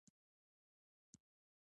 که خویندې بریالۍ وي نو حسادت به نه وي.